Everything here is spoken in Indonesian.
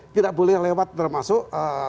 tidak boleh lewat termasuk